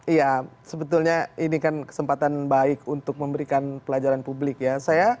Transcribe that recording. iya sebetulnya ini kan kesempatan baik untuk memberikan pelajaran publik ya